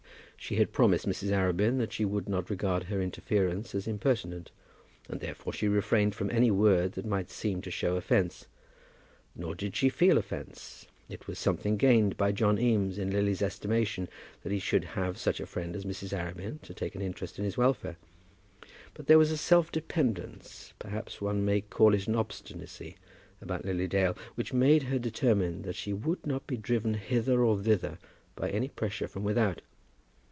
She had promised Mrs. Arabin that she would not regard her interference as impertinent, and therefore she refrained from any word that might seem to show offence. Nor did she feel offence. It was something gained by John Eames in Lily's estimation that he should have such a friend as Mrs. Arabin to take an interest in his welfare. But there was a self dependence, perhaps one may call it an obstinacy about Lily Dale, which made her determined that she would not be driven hither or thither by any pressure from without.